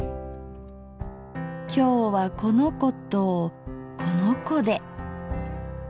今日はこの子とこの子で。